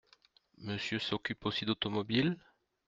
Monsieur s’occupe aussi d’automobile ?